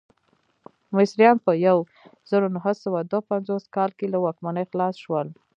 مصریان په یو زرو نهه سوه دوه پنځوس کال کې له واکمنۍ خلاص شول.